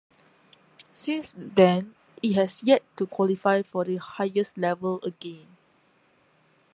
Since then, it has yet to qualify for the highest level again.